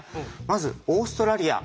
まずオーストラリア。